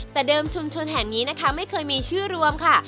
แต่เดิมชุมชนแห่งนี้นะคะไม่เคยมีชื่อรวมค่ะ